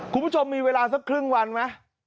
คุณผู้ชมมีเวลาสักครึ่งวันไหม